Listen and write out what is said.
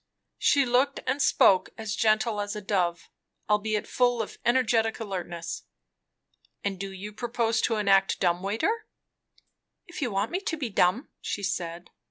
She looked and spoke as gentle as a dove, albeit full of energetic alertness. "And do you propose to enact dumb waiter?" "If you want me to be dumb," she said.